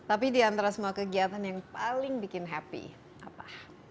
tapi di antara semua kegiatan yang paling bikin happy apa